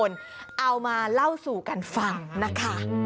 เล่าสู่กันฟังนะคะ